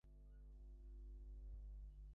আমার লেখার মান কেমন লাগছে?